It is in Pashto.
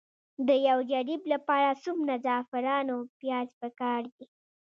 د یو جریب لپاره څومره د زعفرانو پیاز پکار دي؟